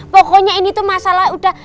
pokoknya ini tuh masalah udah